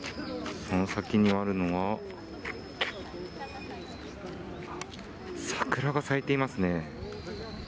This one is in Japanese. その先にあるのは、桜が咲いていますね。